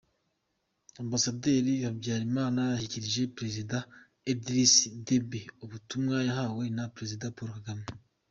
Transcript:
Ambasaderi Habyalimana yashyikirije Perezida Idriss Déby ubutumwa yahawe na Perezida Paul Kagame.